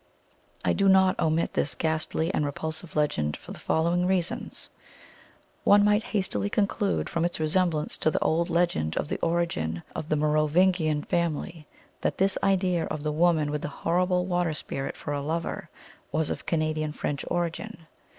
I do not omit this ghastly and repulsive legend for the following reasons : One might hastily conclude, from its resemblance to the old legend of the origin of the Merovingian family, that this idea of the woman with the horrible water spirit for a lover was of Cana dian French origin.